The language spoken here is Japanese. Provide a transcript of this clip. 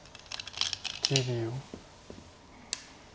１０秒。